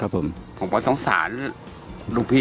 ใดขัดหนนที่เนี่ย